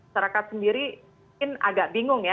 serakat sendiri mungkin agak bingung ya